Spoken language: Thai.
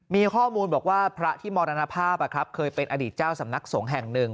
มีข้อมูลบอกว่าพระที่มรณภาพเคยเป็นอดีตเจ้าสำนักสงฆ์แห่งหนึ่ง